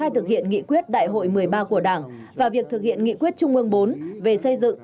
thực hiện nghị quyết đại hội một mươi ba của đảng và việc thực hiện nghị quyết trung ương bốn về xây dựng